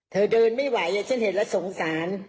เธอเดินไม่ไหวฉันเห็นแล้วสงสาร